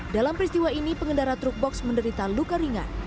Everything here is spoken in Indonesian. dalam peristiwa ini pengendara truk box menderita luka ringan